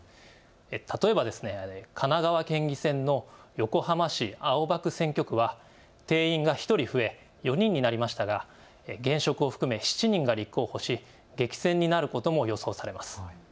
例えば、神奈川県議選の横浜市青葉区選挙区は定員が１人増え４人になりましたが現職を含め７人が立候補し激戦になることも予想されます。